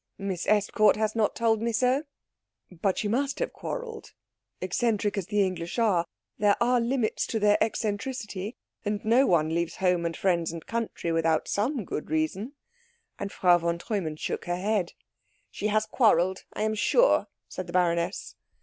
"Miss Estcourt has not told me so." "But she must have quarrelled. Eccentric as the English are, there are limits to their eccentricity, and no one leaves home and friends and country without some good reason." And Frau von Treumann shook her head. "She has quarrelled, I am sure," said the baroness.